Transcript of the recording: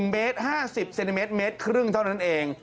๑เมตร๕๐เซนติเมตรเมตรครึ่งเท่านั้นเอง